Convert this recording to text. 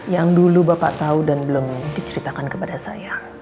yang dulu bapak tahu dan belum diceritakan kepada saya